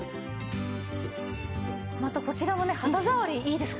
またこちらもね肌触りいいですからね。